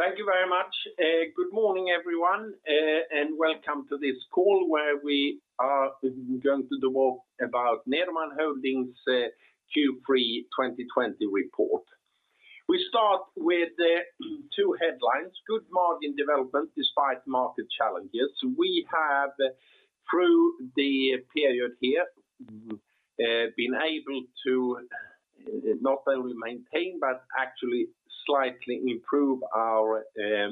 Thank you very much. Good morning, everyone, and welcome to this call where we are going to talk about Nederman Holding Q3 2020 report. We start with two headlines, good margin development despite market challenges. We have, through the period here, been able to not only maintain, but actually slightly improve our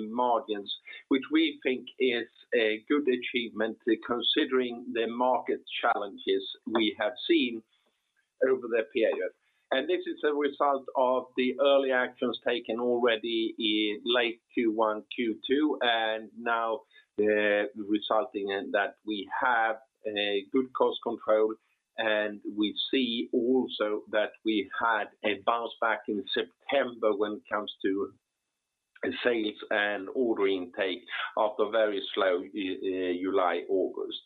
margins, which we think is a good achievement considering the market challenges we have seen over the period. This is a result of the early actions taken already in late Q1, Q2, and now resulting in that we have a good cost control, and we see also that we had a bounce back in September when it comes to sales and order intake after very slow July, August.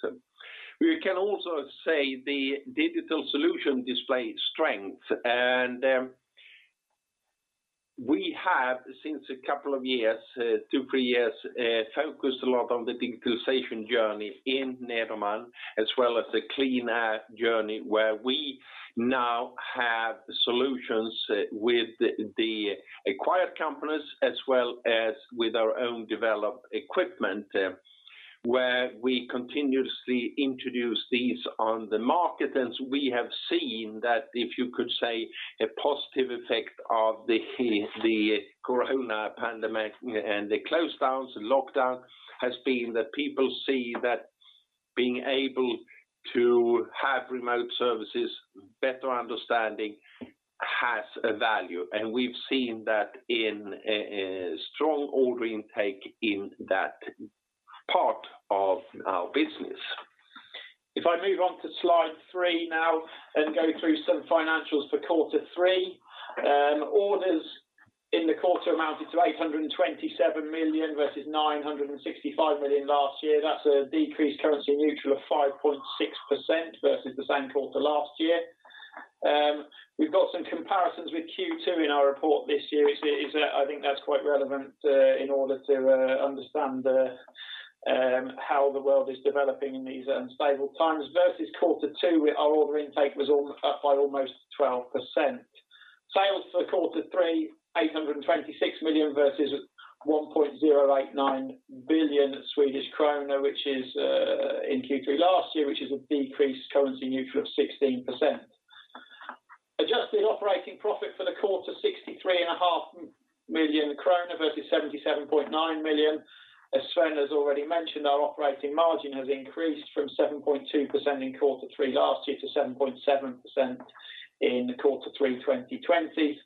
We can also say the digital solution displays strength. We have since a couple of years, two, three years, focused a lot on the digitalization journey in Nederman as well as the clean air journey, where we now have solutions with the acquired companies as well as with our own developed equipment, where we continuously introduce these on the market. We have seen that if you could say a positive effect of the corona pandemic and the close downs, lockdown, has been that people see that being able to have remote services, better understanding, has a value. We've seen that in a strong order intake in that part of our business. If I move on to slide three now and go through some financials for Q3. Orders in the quarter amounted to 827 million versus 965 million last year. That's a decreased currency neutral of 5.6% versus the same quarter last year. We've got some comparisons with Q2 in our report this year. I think that's quite relevant in order to understand how the world is developing in these unstable times versus Q2, our order intake was up by almost 12%. Sales for Q3, 826 million versus 1.089 billion Swedish krona in Q3 last year, which is a decreased currency neutral of 16%. Adjusted operating profit for the quarter, 63.5 million kronor versus 77.9 million. As Sven has already mentioned, our operating margin has increased from 7.2% in Q3 last year to 7.7% in Q3 2020.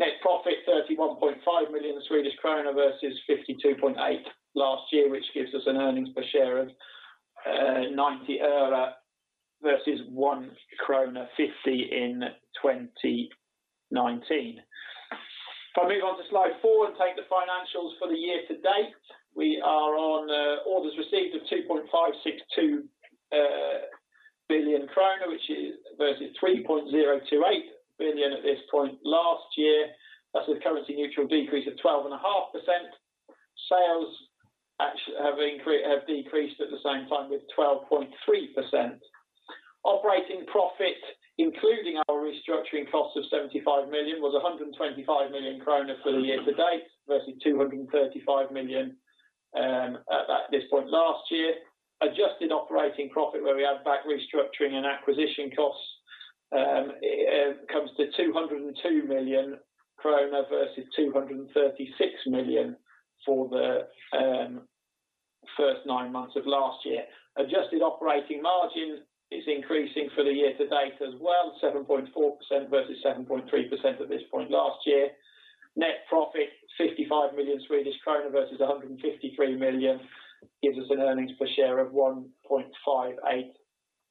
Net profit 31.5 million Swedish krona versus 52.8 million last year, which gives us an earnings per share of SEK 0.90 versus 1.50 krona in 2019. If I move on to slide four and take the financials for the year-to-date. We are on orders received of 2.562 billion krona versus 3.028 billion at this point last year. That's a currency neutral decrease of 12.5%. Sales have decreased at the same time with 12.3%. Operating profit, including our restructuring cost of 75 million, was 125 million kronor for the year-to-date versus 235 million at this point last year. Adjusted operating profit, where we add back restructuring and acquisition costs, comes to 202 million krona versus 236 million for the first nine months of last year. Adjusted operating margin is increasing for the year-to-date as well, 7.4% versus 7.3% at this point last year. Net profit 55 million Swedish krona versus 153 million gives us an earnings per share of 1.58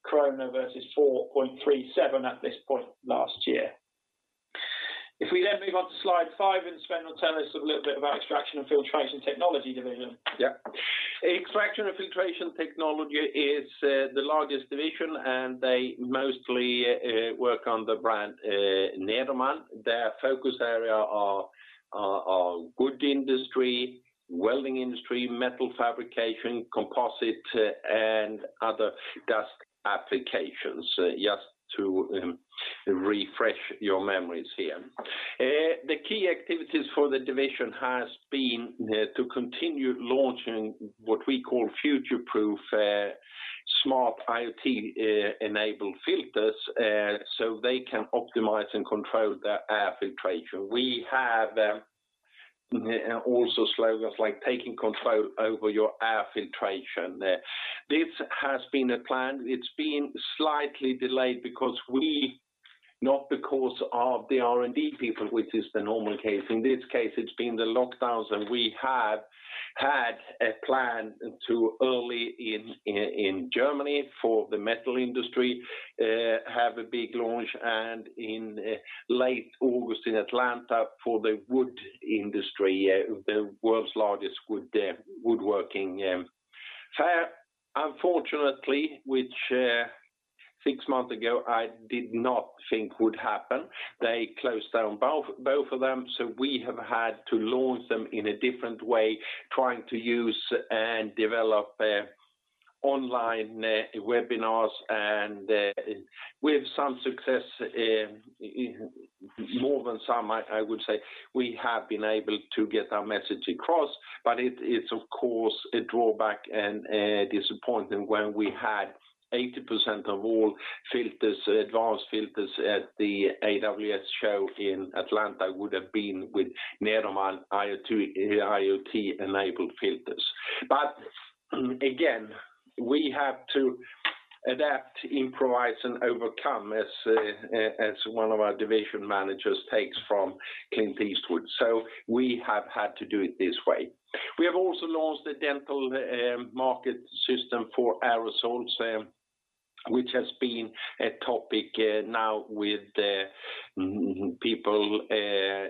krona versus 4.37 at this point last year. If we move on to slide five, Sven will tell us a little bit about Extraction and Filtration Technology division. Yeah. Extraction and Filtration Technology is the largest division. They mostly work on the brand Nederman. Their focus area are wood industry, welding industry, metal fabrication, composite, and other dust applications, just to refresh your memories here. The key activities for the division has been to continue launching what we call future-proof, smart IoT-enabled filters. They can optimize and control the air filtration. We have also slogans like taking control over your air filtration. This has been a plan. It's been slightly delayed, not because of the R&D people, which is the normal case. In this case, it's been the lockdowns. We have had a plan to early in Germany for the metal industry, have a big launch, and in late August in Atlanta for the wood industry, the world's largest woodworking fair. Unfortunately, which six months ago, I did not think would happen. They closed down both of them, so we have had to launch them in a different way, trying to use and develop online webinars and with some success, more than some, I would say. We have been able to get our message across, but it's of course a drawback and a disappointment when we had 80% of all advanced filters at the IWF show in Atlanta would have been with Nederman IIoT-enabled filters. Again, we have to adapt, improvise, and overcome as one of our division managers takes from Clint Eastwood. We have had to do it this way. We have also launched a dental market system for aerosols, which has been a topic now with people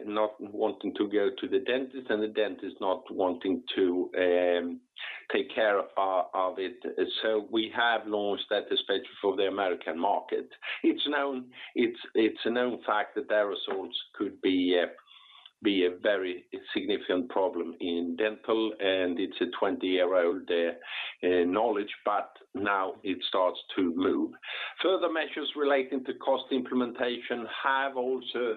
not wanting to go to the dentist and the dentist not wanting to take care of it. We have launched that especially for the American market. It's a known fact that aerosols could be a very significant problem in dental, and it's a 20-year-old knowledge, but now it starts to move. Further measures relating to cost implementation have also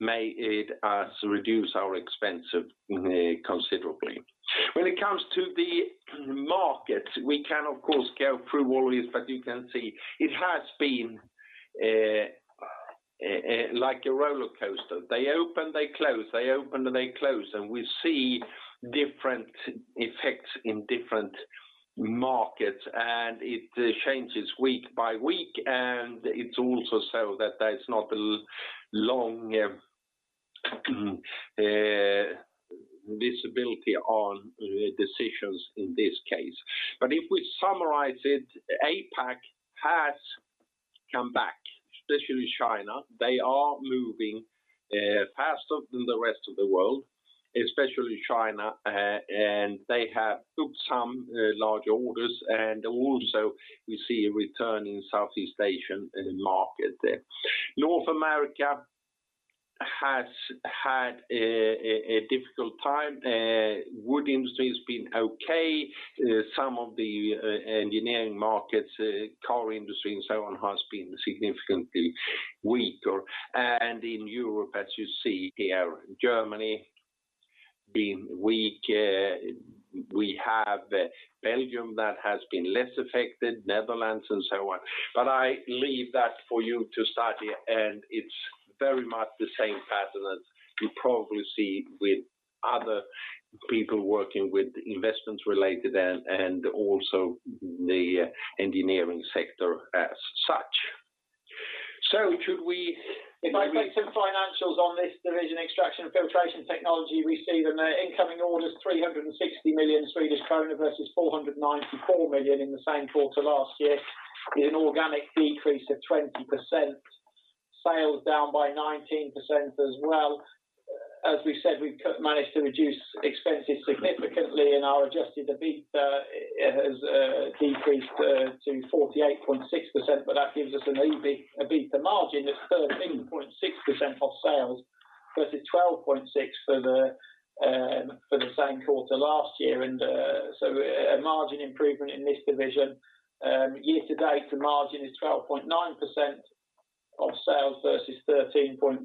made us reduce our expenses considerably. When it comes to the market, we can, of course, go through all this, but you can see it has been like a roller coaster. They open, they close, they open, and they close, and we see different effects in different markets, and it changes week by week. It's also so that there's not a long visibility on decisions in this case. If we summarize it, APAC has come back, especially China. They are moving faster than the rest of the world, especially China, and they have booked some large orders, and also we see a return in Southeast Asian market there. North America has had a difficult time. Wood industry's been okay. Some of the engineering markets, car industry, and so on, has been significantly weaker. In Europe, as you see here, Germany been weak. We have Belgium that has been less affected, Netherlands and so on. I leave that for you to study, and it's very much the same pattern that you probably see with other people working with investments related and also the engineering sector as such. If I take some financials on this division, Extraction and Filtration Technology, we see the incoming orders 360 million Swedish krona versus 494 million in the same quarter last year in an organic decrease of 20%. Sales down by 19% as well. As we said, we've managed to reduce expenses significantly, our adjusted EBITA has decreased to 48.6 million, that gives us an EBITA margin of 13.6% of sales versus 12.6% for the same quarter last year. A margin improvement in this division. Year-to-date, the margin is 12.9% of sales versus 13.1%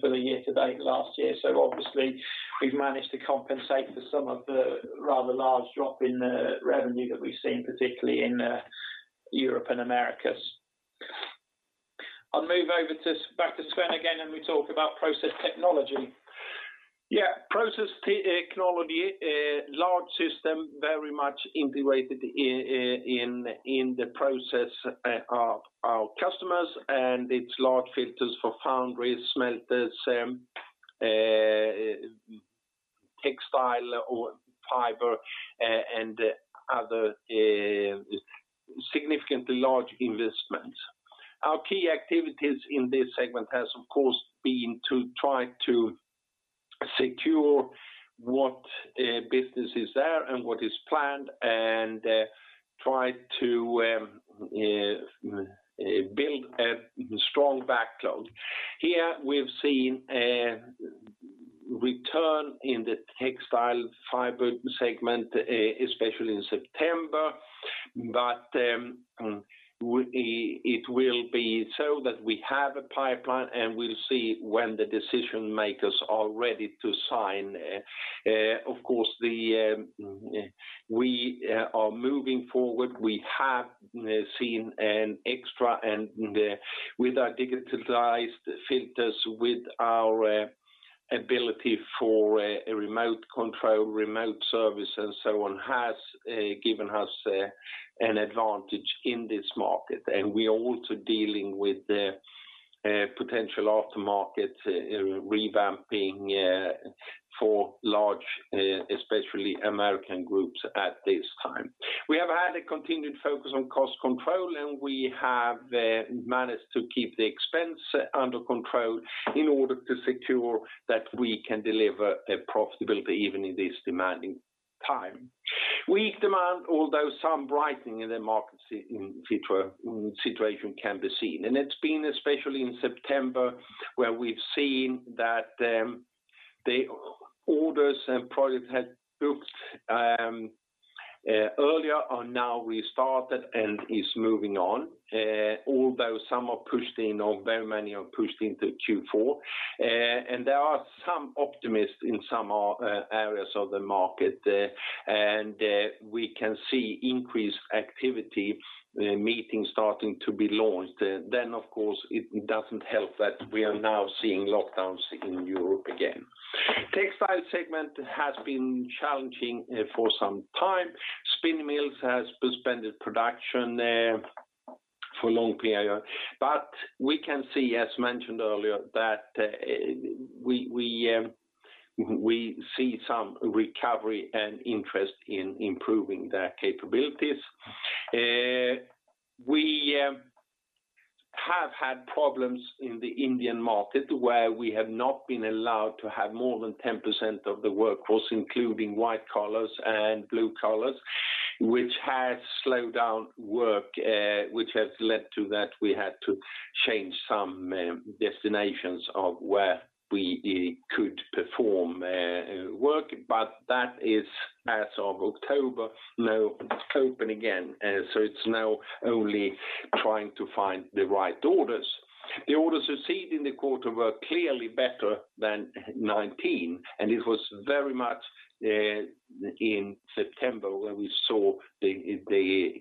for the year-to-date last year. Obviously we've managed to compensate for some of the rather large drop in revenue that we've seen, particularly in Europe and Americas. I'll move over back to Sven again, we talk about Process Technology. Yeah. Process Technology, large system, very much integrated in the process of our customers, it's large filters for foundries, smelters, textile, or fiber, and other significantly large investments. Our key activities in this segment has, of course, been to try to secure what business is there and what is planned and try to build a strong backlog. Here we've seen a return in the textile fiber segment, especially in September. It will be so that we have a pipeline, and we'll see when the decision makers are ready to sign. Of course, we are moving forward. We have seen an extra end with our digitalized filters, with our ability for a remote control, remote service, and so on, has given us an advantage in this market. We are also dealing with potential aftermarket revamping for large, especially American groups at this time. We have had a continued focus on cost control, and we have managed to keep the expense under control in order to secure that we can deliver profitability even in this demanding time. Weak demand, although some brightening in the market situation can be seen. It's been especially in September where we've seen that the orders and projects had booked earlier are now restarted and is moving on, although some are pushed in, or very many are pushed into Q4. There are some optimists in some areas of the market, and we can see increased activity, meetings starting to be launched. Of course, it doesn't help that we are now seeing lockdowns in Europe again. Textile segment has been challenging for some time. Spin mills has suspended production for long period. We can see, as mentioned earlier, that we see some recovery and interest in improving their capabilities. We have had problems in the Indian market, where we have not been allowed to have more than 10% of the workforce, including white collars and blue collars, which has slowed down work, which has led to that we had to change some destinations of where we could perform work. That is as of October, now open again. It's now only trying to find the right orders. The orders received in the quarter were clearly better than 2019, and it was very much in September where we saw the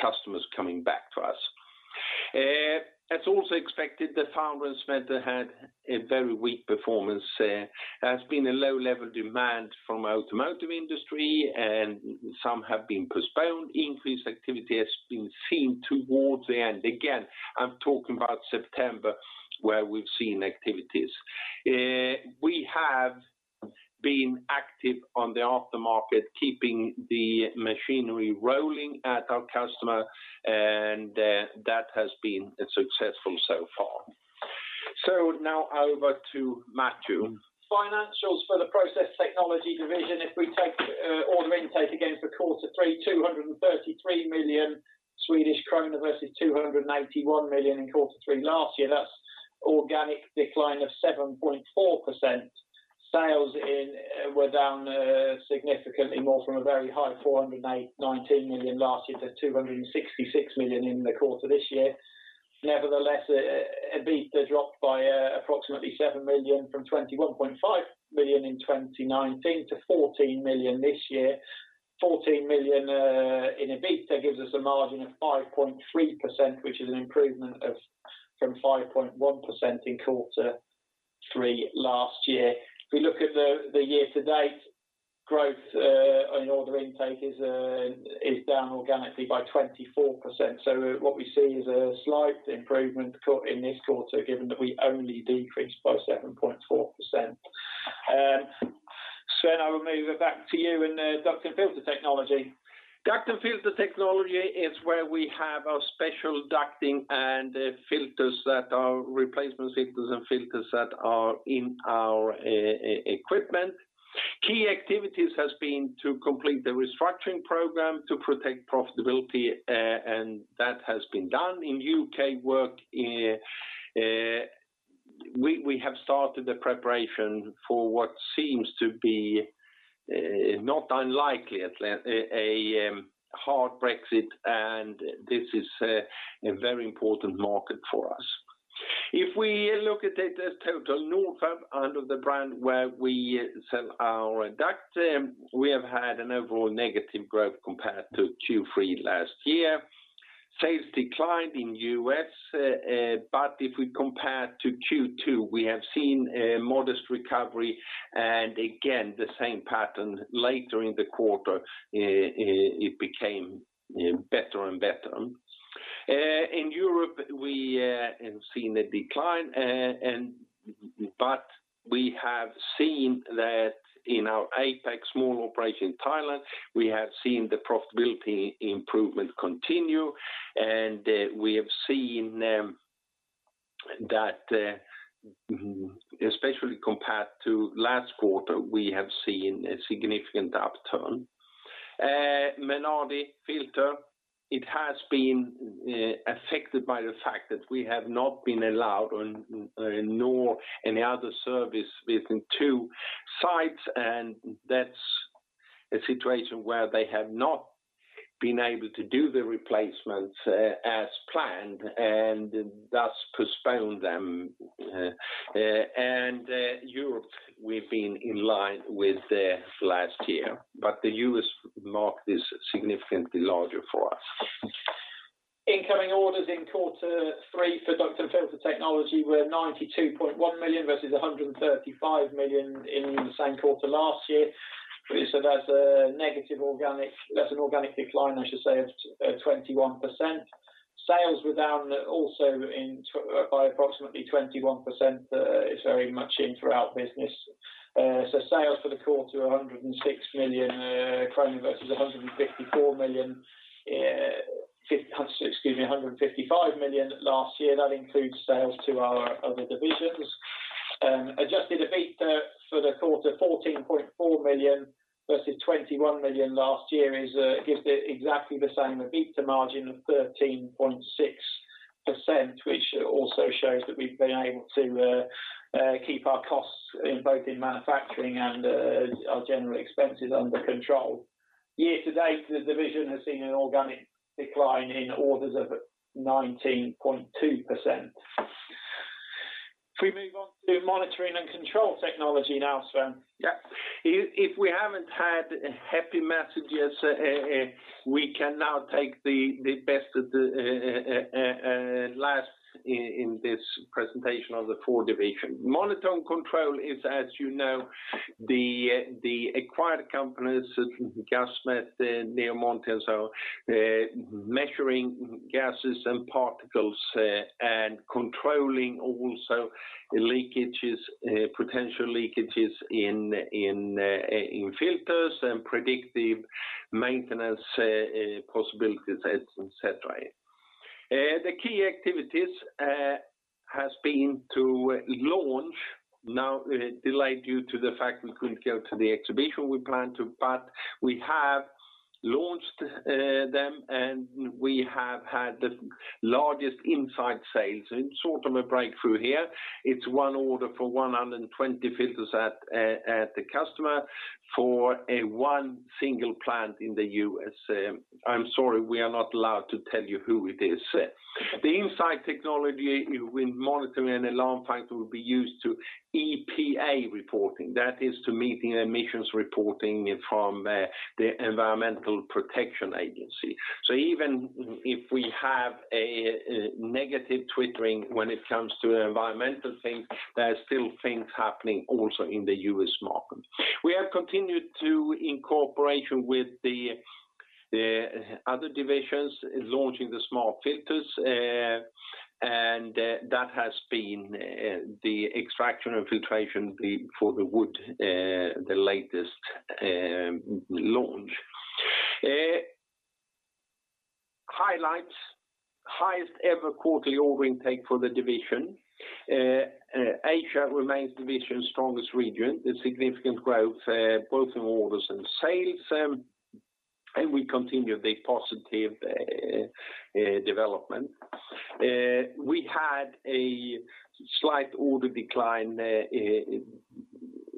customers coming back to us. As also expected, the foundry segment had a very weak performance. There has been a low-level demand from automotive industry, and some have been postponed. Increased activity has been seen towards the end. Again, I'm talking about September, where we've seen activities. We have been active on the aftermarket, keeping the machinery rolling at our customer, and that has been successful so far. Now over to Matthew. Financials for the Process Technology division, if we take order intake again for quarter three, 233 million Swedish krona versus 291 million SEK in quarter three last year. That's organic decline of 7.4%. Sales were down significantly more from a very high 419 million SEK last year to 266 million SEK in the quarter this year. Nevertheless, EBITDA dropped by approximately 7 million SEK from 21.5 million SEK in 2019 to 14 million SEK this year. 14 million SEK in EBITDA gives us a margin of 5.3%, which is an improvement from 5.1% in quarter three last year. If you look at the year-to-date, growth on order intake is down organically by 24%. What we see is a slight improvement in this quarter, given that we only decreased by 7.4%. Sven, I will move it back to you in Duct & Filter Technology. Duct & Filter Technology is where we have our special ducting and filters that are replacement filters and filters that are in our equipment. Key activities has been to complete the restructuring program to protect profitability, and that has been done. In U.K., we have started the preparation for what seems to be not unlikely, a hard Brexit, and this is a very important market for us. If we look at it as total Nordfab, under the brand where we sell our duct, we have had an overall negative growth compared to Q3 last year. Sales declined in U.S., but if we compare to Q2, we have seen a modest recovery. Again, the same pattern, later in the quarter, it became better and better. In Europe, we have seen a decline, but we have seen that in our APAC small operation in Thailand, we have seen the profitability improvement continue, and we have seen that especially compared to last quarter, we have seen a significant upturn. Menardi Filters, it has been affected by the fact that we have not been allowed on nor any other service within two sites, and that's a situation where they have not been able to do the replacements as planned and thus postponed them. Europe, we've been in line with last year. The U.S. market is significantly larger for us. Incoming orders in Q3 for Duct & Filter Technology were 92.1 million versus 135 million in the same quarter last year. That's an organic decline, I should say, of 21%. Sales were down also by approximately 21%. It's very much in throughout business. Sales for the quarter, 106 million versus 154 million, excuse me, 155 million last year. That includes sales to our other divisions. Adjusted EBITDA for the quarter, 14.4 million versus 21 million last year, gives it exactly the same EBITDA margin of 13.6%, which also shows that we've been able to keep our costs both in manufacturing and our general expenses under control. Year-to-date, the division has seen an organic decline in orders of 19.2%. If we move on to Monitoring and Control Technology now, Sven. Yeah. If we haven't had happy messages, we can now take the best of the last in this presentation of the four divisions. Monitoring and Control Technology is, as you know, the acquired companies, Gasmet, NEO Monitors, are measuring gases and particles and controlling also leakages, potential leakages in filters and predictive maintenance possibilities, et cetera. The key activities has been to launch, now delayed due to the fact we couldn't go to the exhibition we planned to, but we have launched them and we have had the largest Insight sales. It's sort of a breakthrough here. It's one order for 120 filters at the customer for one single plant in the U.S. I'm sorry, we are not allowed to tell you who it is. The Insight technology with monitoring and alarm function will be used to EPA reporting. That is to meet the emissions reporting from the Environmental Protection Agency. Even if we have a negative twittering when it comes to environmental things, there are still things happening also in the U.S. market. We have continued to, in cooperation with the other divisions, launching the smart filters, and that has been the extraction and filtration for the wood, the latest launch. Highlights. Highest ever quarterly order intake for the division. Asia remains the division's strongest region, with significant growth both in orders and sales, and we continue the positive development. We had a slight order decline in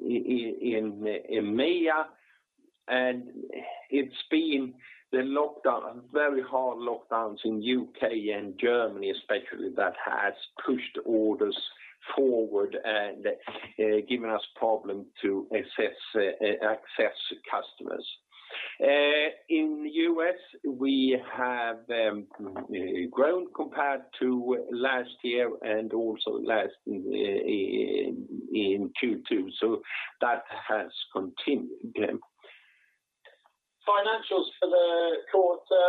EMEA, and it's been the very hard lockdowns in U.K. and Germany especially that has pushed orders forward and given us problem to access customers. In U.S. we have grown compared to last year and also last in Q2, so that has continued. Financials for the quarter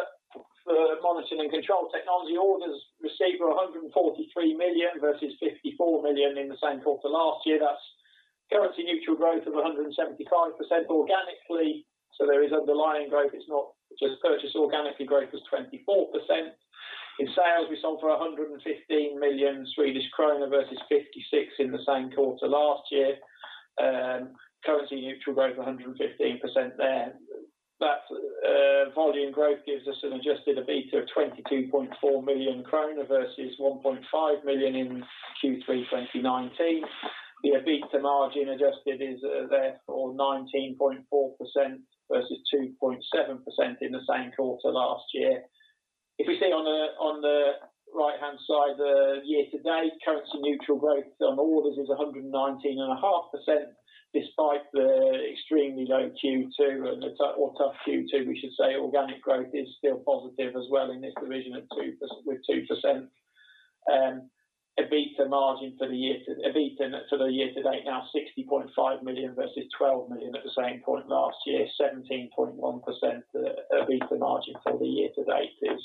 for Monitoring and Control Technology. Orders received were 143 million versus 54 million in the same quarter last year. That's currency neutral growth of 175% organically, so there is underlying growth, it's not just purchase organically growth was 24%. In sales we sold for 115 million Swedish kronor versus 56 million in the same quarter last year. Currency neutral growth 115% there. That volume growth gives us an adjusted EBITDA of 22.4 million krona versus 1.5 million in Q3 2019. The EBITDA margin adjusted is therefore 19.4% versus 2.7% in the same quarter last year. If we see on the right-hand side, the year-to-date currency neutral growth on orders is 119.5% despite the extremely low Q2 or tough Q2 we should say, organic growth is still positive as well in this division with 2%. EBITDA for the year-to-date 60.5 million versus 12 million at the same point last year, 17.1% EBITDA margin for the year-to-date is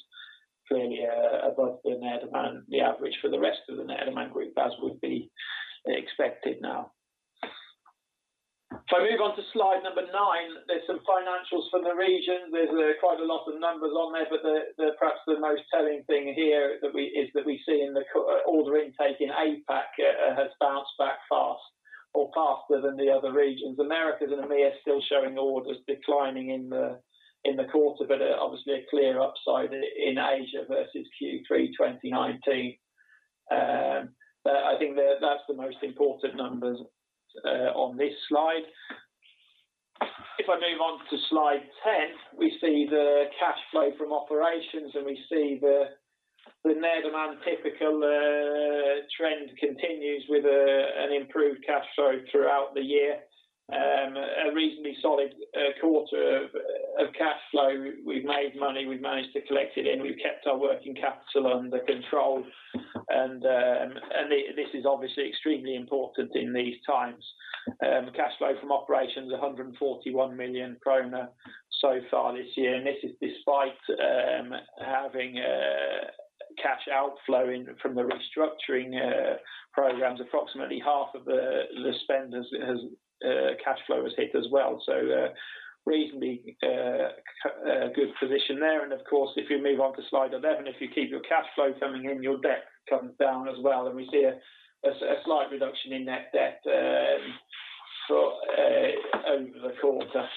clearly above the average for the rest of the Nederman Group as would be expected now. If I move on to slide number nine, there's some financials for the region. Perhaps the most telling thing here is that we see in the order intake in APAC has bounced back fast or faster than the other regions. Americas and EMEA still showing orders declining in the quarter, obviously a clear upside in Asia versus Q3 2019. I think that's the most important numbers on this slide. If I move on to Slide 10, we see the cash flow from operations and we see the Nederman typical trend continues with an improved cash flow throughout the year. A reasonably solid quarter of cash flow. We've made money, we've managed to collect it in, we've kept our working capital under control, and this is obviously extremely important in these times. Cash flow from operations 141 million krona so far this year, and this is despite having cash outflowing from the restructuring programs, approximately half of the spend as cash flow is hit as well. Reasonably good position there, and of course, if you move on to Slide 11, if you keep your cash flow coming in, your debt comes down as well and we see a slight reduction in net debt over the quarter.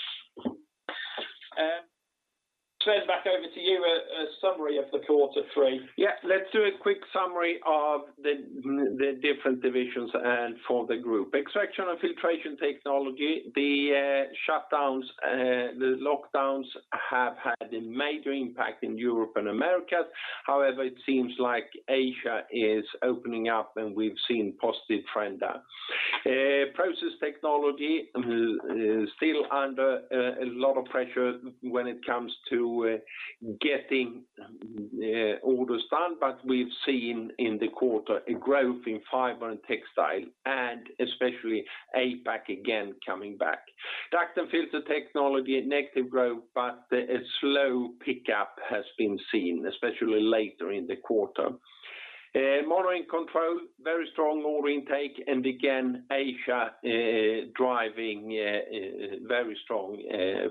Sven, back over to you. A summary of the quarter three. Let's do a quick summary of the different divisions and for the group. Extraction and Filtration Technology, the lockdowns have had a major impact in Europe and Americas. However, it seems like Asia is opening up and we've seen positive trend there. Process Technology is still under a lot of pressure when it comes to getting orders done, but we've seen in the quarter a growth in fiber and textile, and especially APAC again coming back. Duct and Filter Technology, a negative growth, but a slow pickup has been seen, especially later in the quarter. Monitoring Control, very strong order intake, and again, Asia driving very strong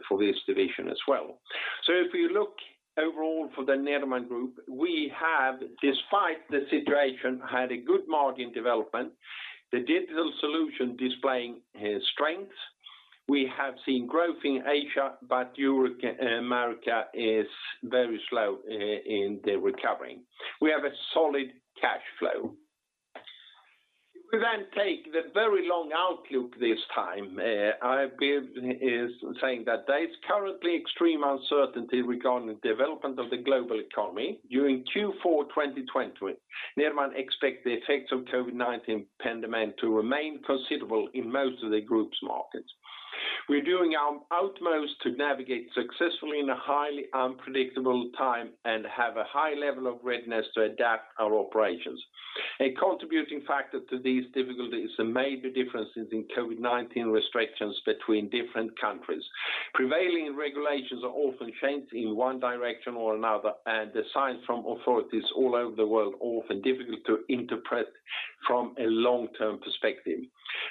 for this division as well. If you look overall for the Nederman Group, we have, despite the situation, had a good margin development. The digital solution displaying strength. We have seen growth in Asia, but Europe, America is very slow in the recovery. We have a solid cash flow. We take the very long outlook this time. I've been saying that there is currently extreme uncertainty regarding the development of the global economy during Q4 2020. Nederman expects the effects of COVID-19 pandemic to remain considerable in most of the group's markets. We're doing our utmost to navigate successfully in a highly unpredictable time and have a high level of readiness to adapt our operations. A contributing factor to these difficulties are major differences in COVID-19 restrictions between different countries. Prevailing regulations are often changed in one direction or another, and the signs from authorities all over the world are often difficult to interpret from a long-term perspective.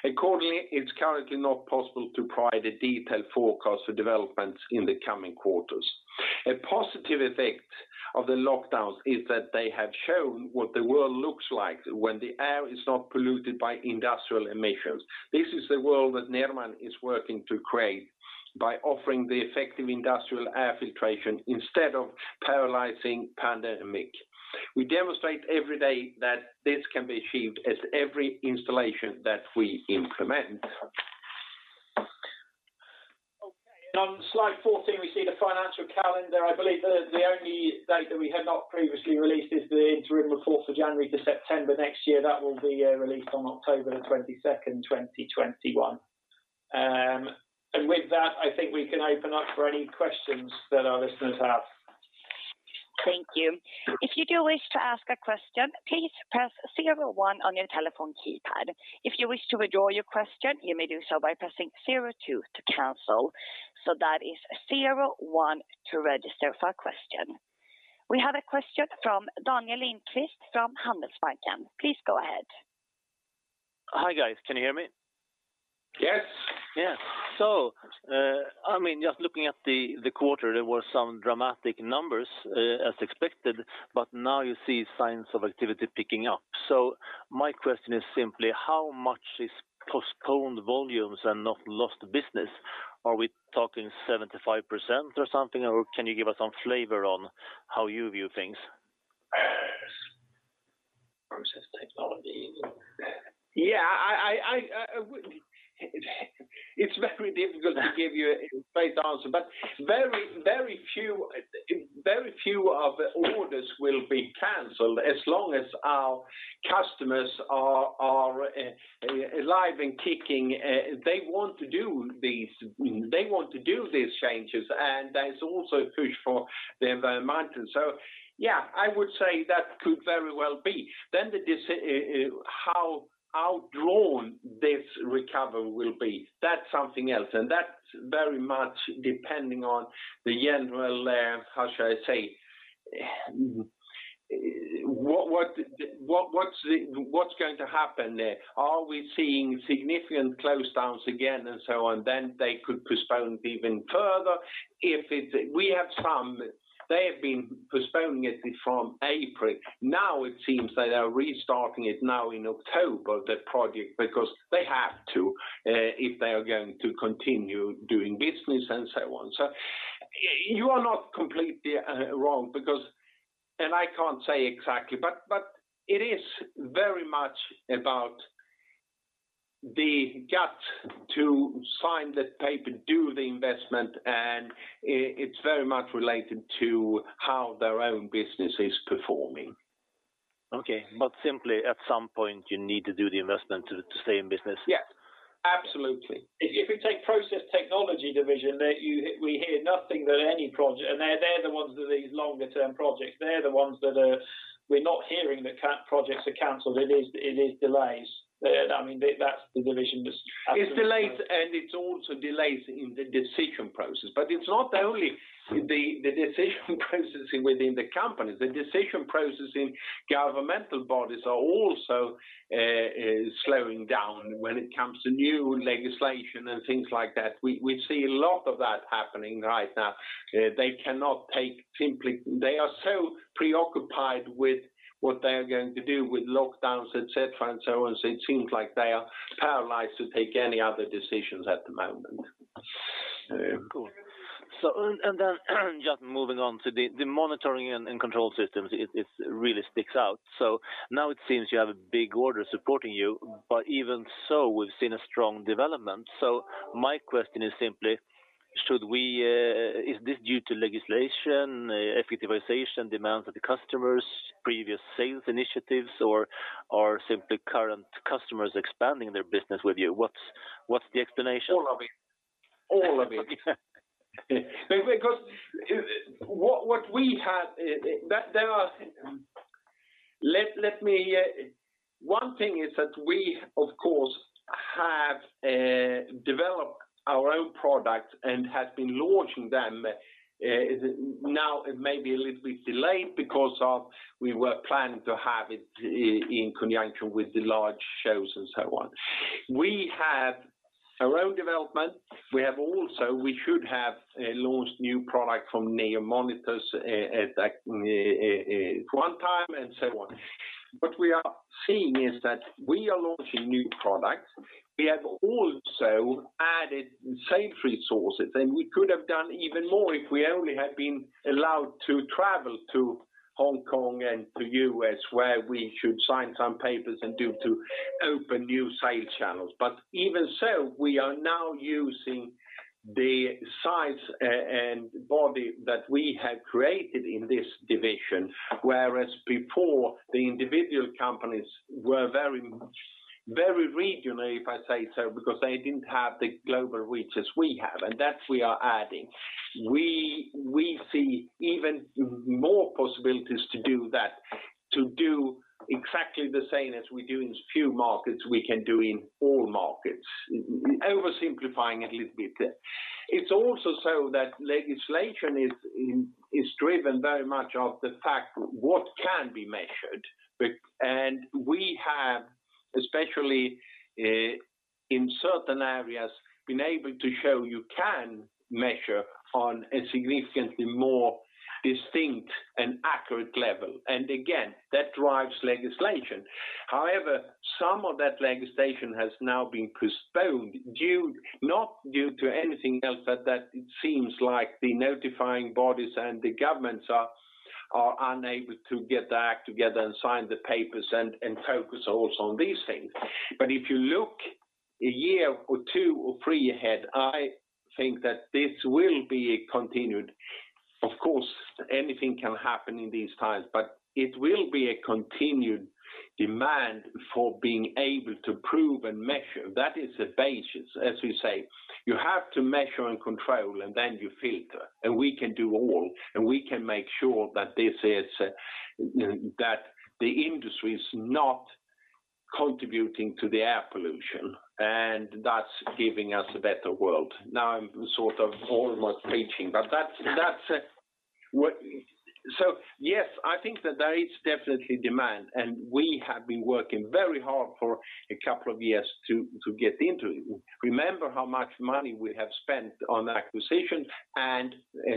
Accordingly, it's currently not possible to provide a detailed forecast for developments in the coming quarters. A positive effect of the lockdowns is that they have shown what the world looks like when the air is not polluted by industrial emissions. This is the world that Nederman is working to create by offering the effective industrial air filtration instead of paralyzing pandemic. We demonstrate every day that this can be achieved as every installation that we implement. Okay. On Slide 14, we see the financial calendar. I believe that the only date that we had not previously released is the interim report for January to September next year. That will be released on October the 22nd, 2021. With that, I think we can open up for any questions that our listeners have. Thank you. If you do wish to ask a question, please press zero one on your telephone keypad. If you wish to withdraw your question, you may do so by pressing zero two to cancel. That is zero one to register for a question. We have a question from Daniel Lindkvist from Handelsbanken. Please go ahead. Hi, guys. Can you hear me? Yes. Yeah. Just looking at the quarter, there were some dramatic numbers as expected, but now you see signs of activity picking up. My question is simply how much is postponed volumes and not lost business? Are we talking 75% or something, can you give us some flavor on how you view things? Process Technology. Yeah. It's very difficult to give you a straight answer, very few orders will be canceled as long as our customers are alive and kicking. They want to do these changes, there's also push for the environment. Yeah, I would say that could very well be. How drawn this recovery will be, that's something else, and that's very much depending on the general, how should I say, what's going to happen there. Are we seeing significant closedowns again and so on, then they could postpone even further. We have some, they have been postponing it from April. Now it seems they are restarting it now in October, the project, because they have to if they are going to continue doing business and so on. You are not completely wrong. I can't say exactly, but it is very much about the gut to sign the paper, do the investment, and it's very much related to how their own business is performing. Okay. Simply at some point, you need to do the investment to stay in business. Yes. Absolutely. If we take Process Technology division, we hear nothing of any project, and they're the ones with these longer-term projects. They're the ones that we're not hearing that projects are canceled. It is delays. It's delays, and it's also delays in the decision process. It's not only the decision processing within the companies, the decision process in governmental bodies are also slowing down when it comes to new legislation and things like that. We see a lot of that happening right now. They are so preoccupied with what they're going to do with lockdowns, et cetera, and so on, so it seems like they are paralyzed to take any other decisions at the moment. Cool. Just moving on to the Monitoring and Control Systems, it really sticks out. Now it seems you have a big order supporting you, even so, we've seen a strong development. My question is simply, is this due to legislation, effectiveness demands of the customers, previous sales initiatives, or simply current customers expanding their business with you? What's the explanation? All of it. One thing is that we, of course, have developed our own product and have been launching them. It may be a little bit delayed because we were planning to have it in conjunction with the large shows and so on. We have our own development. We should have launched new product from NEO Monitors at one time and so on. What we are seeing is that we are launching new products. We have also added sales resources, and we could have done even more if we only had been allowed to travel to Hong Kong and to U.S., where we should sign some papers and do to open new sales channels. Even so, we are now using the size and body that we have created in this division, whereas before, the individual companies were very regional, if I say so, because they didn't have the global reach as we have, and that we are adding. We see even more possibilities to do that, to do exactly the same as we do in few markets we can do in all markets. Oversimplifying a little bit. It's also so that legislation is driven very much of the fact what can be measured. We have, especially in certain areas, been able to show you can measure on a significantly more distinct and accurate level. Again, that drives legislation. Some of that legislation has now been postponed, not due to anything else, but that it seems like the notifying bodies and the governments are unable to get their act together and sign the papers and focus also on these things. If you look a year or two or three ahead, I think that this will be continued. Of course, anything can happen in these times, but it will be a continued demand for being able to prove and measure. That is the basis. As we say, you have to measure and control, and then you filter, and we can do all, and we can make sure that the industry is not contributing to the air pollution, and thus giving us a better world. Now I'm almost preaching. Yes, I think that there is definitely demand, and we have been working very hard for a couple of years to get into it. Remember how much money we have spent on acquisition and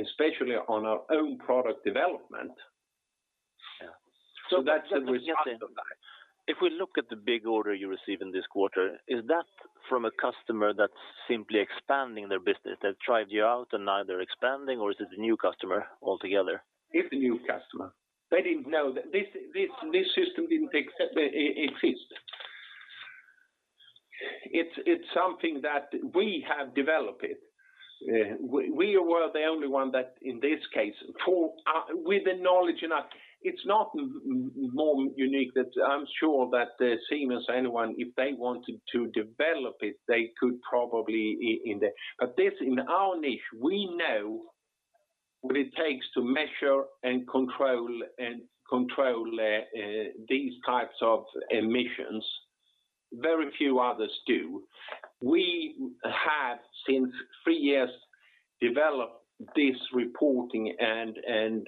especially on our own product development. Yeah. That's the result of that. If we look at the big order you receive in this quarter, is that from a customer that's simply expanding their business? They've tried you out and now they're expanding, or is it a new customer altogether? It's a new customer. They didn't know. This system didn't exist. It's something that we have developed. We were the only one that, in this case, with the knowledge enough. It's not more unique. I'm sure that Siemens, anyone, if they wanted to develop it, they could probably in there. This, in our niche, we know what it takes to measure and control these types of emissions. Very few others do. We have, since three years, developed this reporting and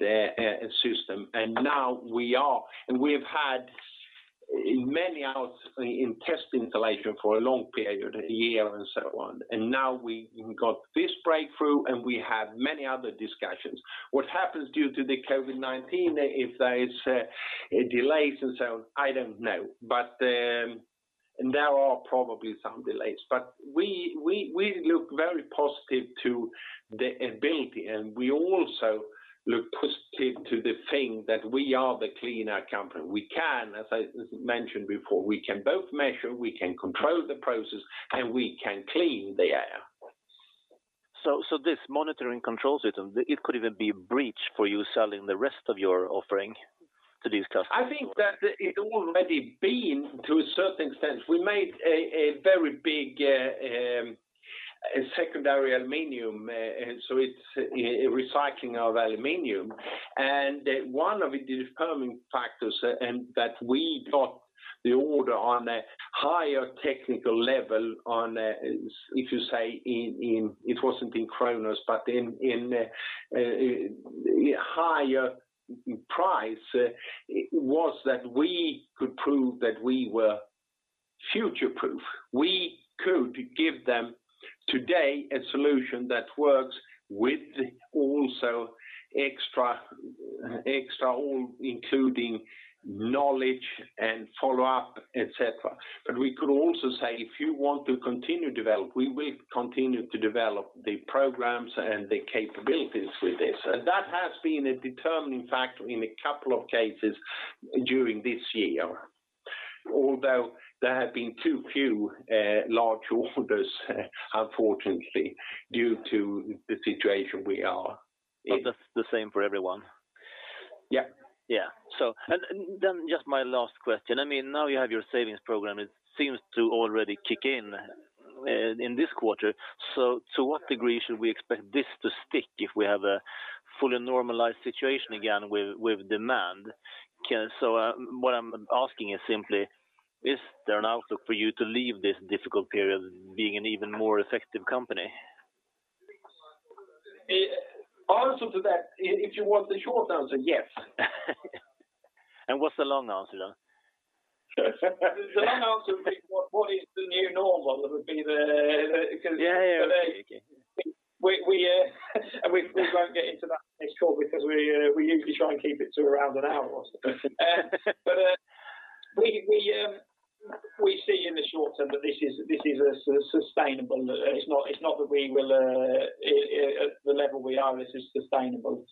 system, and now we are. We've had many out in test installation for a long period, a year and so on. Now we got this breakthrough, and we have many other discussions. What happens due to the COVID-19, if there is delays and so on, I don't know. There are probably some delays. We look very positive to the ability, and we also look positive to the thing that we are the cleaner company. We can, as I mentioned before, we can both measure, we can control the process, and we can clean the air. This monitoring control system, it could even be a bridge for you selling the rest of your offering to these customers. I think that it's already been to a certain extent. We made a very big secondary aluminum, and so it's recycling of aluminum. One of the determining factors that we got the order on a higher technical level on a, if you say, it wasn't in kronor, but in a higher price, was that we could prove that we were future-proof. We could give them today a solution that works with also. Extra all-including knowledge and follow-up, et cetera. We could also say, if you want to continue to develop, we will continue to develop the programs and the capabilities with this. That has been a determining factor in a couple of cases during this year, although there have been too few large orders, unfortunately, due to the situation we are in. That's the same for everyone. Yeah. Yeah. Then just my last question. Now you have your savings program, it seems to already kick in in this quarter. To what degree should we expect this to stick if we have a fully normalized situation again with demand? What I'm asking is simply, is there an outlook for you to leave this difficult period being an even more effective company? Answer to that, if you want the short answer, yes. What's the long answer then? The long answer would be what is the new normal? Yeah. We won't get into that in this call because we usually try and keep it to around an hour or so. We see in the short term that this is sustainable. The level we are is sustainable.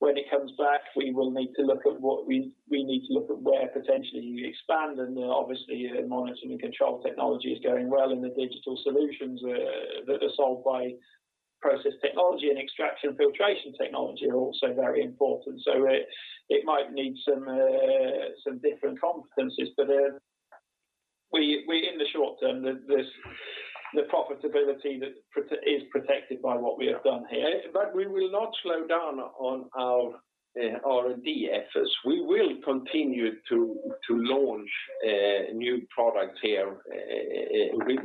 When it comes back, we need to look at where potentially you expand and obviously Monitoring and Control Technology is going well, and the digital solutions that are sold by Process Technology and Extraction and Filtration Technology are also very important. It might need some different competencies, but in the short-term, the profitability is protected by what we have done here. We will not slow down on our R&D efforts. We will continue to launch new products here.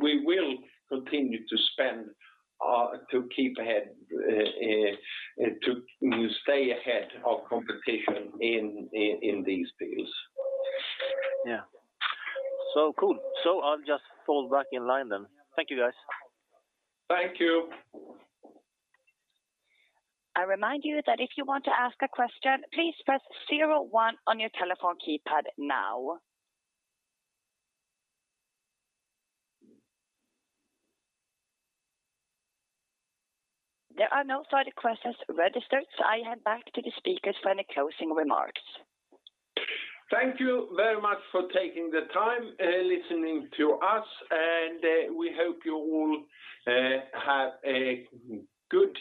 We will continue to spend to stay ahead of competition in these fields. Yeah. Cool. I'll just fall back in line then. Thank you, guys. Thank you. I remind you that if you want to ask a question, please press zero one on your telephone keypad now. There are no further questions registered, so I hand back to the speakers for any closing remarks. Thank you very much for taking the time listening to us, and we hope you all have a good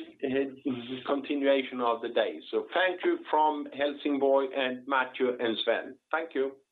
continuation of the day. Thank you from Helsingborg and Matthew and Sven. Thank you.